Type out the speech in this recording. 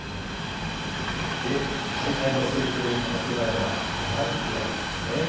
大会の成功に欠かせないのがボランティアですよね。